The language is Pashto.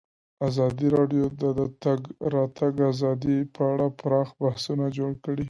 ازادي راډیو د د تګ راتګ ازادي په اړه پراخ بحثونه جوړ کړي.